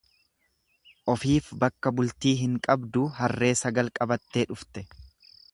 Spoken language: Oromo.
Ofiif bakka bultii hin qabduu harree sagal qabattee dhufte.